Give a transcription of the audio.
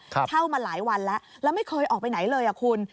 เช่ามาหลายวันแล้วแล้วไม่เคยออกไปไหนเลยคุณ